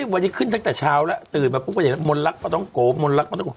วันนี้ขึ้นตั้งแต่เช้าแล้วตื่นมาปุ๊บไปเห็นมนตร์รักปลาท้องโกะ